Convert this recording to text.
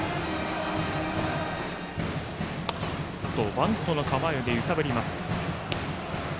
バントの構えで揺さぶります。